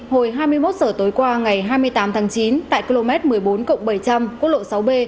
hồi hai mươi một h tối qua ngày hai mươi tám tháng chín tại km một mươi bốn cộng bảy trăm linh quốc lộ sáu b